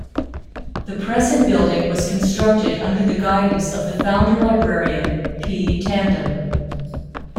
The present building was constructed under the guidance of the founder librarian P. Tandon.